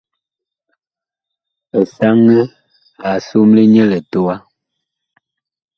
Esanɛ a somle nyɛ litowa.